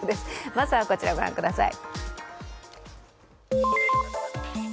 まずはこちら、ご覧ください。